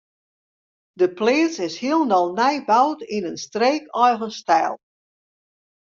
De pleats is hielendal nij boud yn in streekeigen styl.